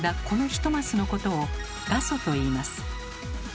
この１マスのことを「画素」といいます。